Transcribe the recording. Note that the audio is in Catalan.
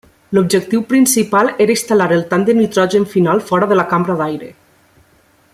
L'objectiu principal era instal·lar el tanc de nitrogen final fora de la cambra d'aire.